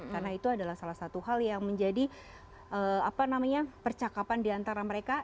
karena itu adalah salah satu hal yang menjadi apa namanya percakapan diantara mereka